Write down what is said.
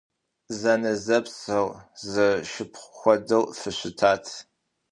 Зэнэзэпсэу, зэшыпхъу хуэдэу фыщытат!